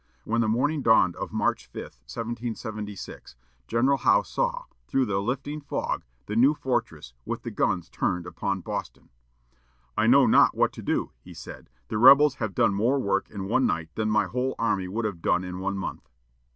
When the morning dawned of March 5, 1776, General Howe saw, through the lifting fog, the new fortress, with the guns turned upon Boston. "I know not what to do," he said. "The rebels have done more work in one night than my whole army would have done in one month."